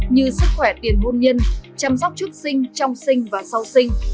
như sức khỏe tiền hôn nhân chăm sóc trước sinh trong sinh và sau sinh